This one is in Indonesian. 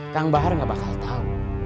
kang bahar nggak bakal tahu